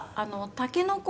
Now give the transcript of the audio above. タケノコ。